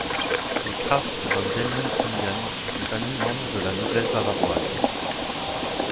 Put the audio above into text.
Les Krafft von Dellmensingen sont une famille membre de la noblesse bavaroise.